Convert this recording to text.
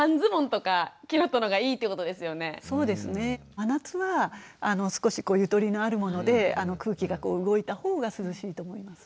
真夏は少しゆとりのあるもので空気が動いた方が涼しいと思います。